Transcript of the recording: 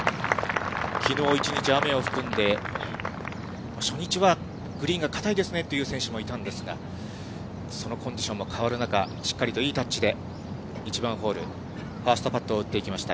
きのう一日、雨を含んで、初日はグリーンが硬いですねって言う選手もいたんですが、そのコンディションも変わる中、しっかりといいタッチで１番ホール、ファーストパットを打っていきました。